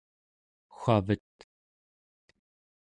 wavet